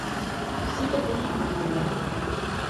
Si que teñen memoria.